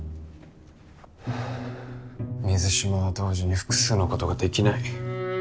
水島は同時に複数のことができない。